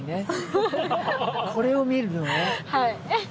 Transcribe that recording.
これを見るのね。